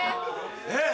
えっ！